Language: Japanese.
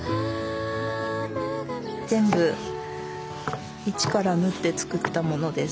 全部一から縫って作ったものです。